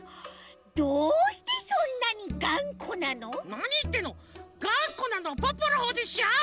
なにいってんのがんこなのはポッポのほうでしょ。